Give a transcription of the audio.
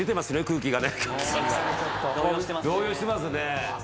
動揺してますね。